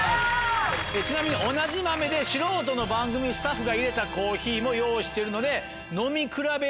ちなみに同じ豆で素人の番組スタッフが入れたコーヒーも用意してるので飲み比べを。